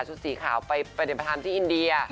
ชุดสีขาวไปเป็นประธานที่อินเดีย